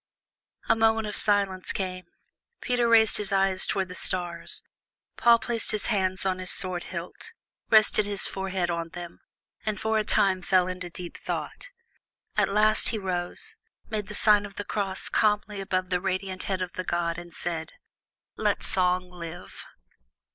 A moment of silence came. Peter raised his eyes toward the stars. Paul placed his hands on his sword hilt, rested his forehead on them, and for a time fell into deep thought. At last he rose, made the sign of the cross calmly above the radiant head of the god, and said: "Let Song live!"